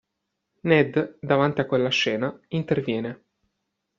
Ned, davanti a quella scena, interviene.